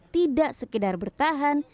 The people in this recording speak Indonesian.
tidak sekedar bertahan